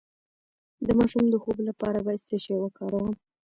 د ماشوم د خوب لپاره باید څه شی وکاروم؟